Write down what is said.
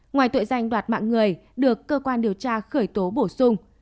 ngoài tội danh đoạt mạng người được cơ quan điều tra khởi tố bổ sung